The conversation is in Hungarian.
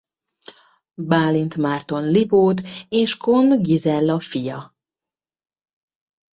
Bálint Márton Lipót és Kohn Gizella fia.